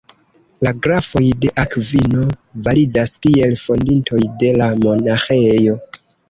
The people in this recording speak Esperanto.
La grafoj de Akvino validas kiel fondintoj de la monaĥejo.